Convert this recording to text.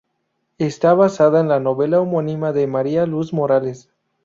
Está basada en la novela homónima de María Luz Morales.